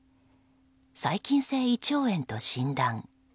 細菌性胃腸炎と診断。